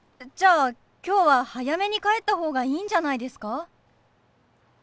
じゃあ今日は早めに帰った方がいいんじゃないですか？